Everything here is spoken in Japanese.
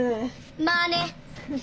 まあね。